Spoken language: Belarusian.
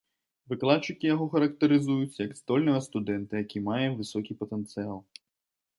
Выкладчыкі яго характарызуюць як здольнага студэнта, які мае высокі патэнцыял.